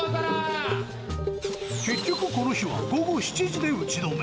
結局、この日は午後７時で打ち止め。